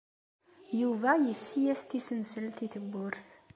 Yuba yefsi-as tisenselt i tewwurt.